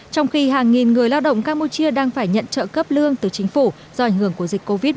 trong khi hàng nghìn người lao động campuchia đang phải nhận trợ cấp lương từ chính phủ do ảnh hưởng của dịch covid một mươi chín